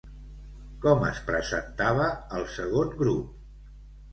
Com es presentava el segon grup?